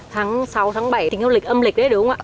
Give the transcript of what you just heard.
tháng sáu tháng bảy tính theo lịch âm lịch đấy đúng không ạ